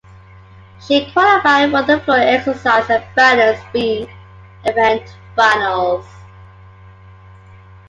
She qualified for the floor exercise and balance beam event finals.